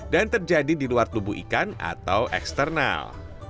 dan terjadi di luar tubuh ikan atau eksternal